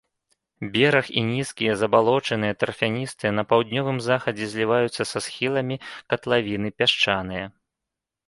Бераг і нізкія, забалочаныя, тарфяністыя, на паўднёвым захадзе зліваюцца са схіламі катлавіны, пясчаныя.